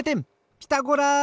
ピタゴラ！